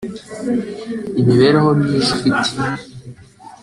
imibereho myiza ufite